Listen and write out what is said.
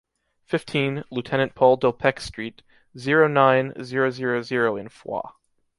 Fifteen, Lieutenant Paul Delpech street, zero nine, zero zero zero in Foix